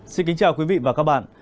xin kính chào quý vị và các bạn